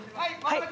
はい。